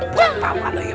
buat pak waluyo